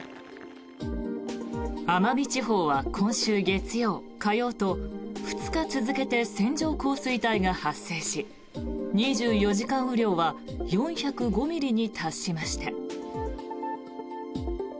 奄美地方は今週月曜、火曜と２日続けて線状降水帯が発生し２４時間雨量は４０５ミリに達しました。